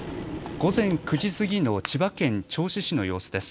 午前９時過ぎの千葉県銚子市の様子です。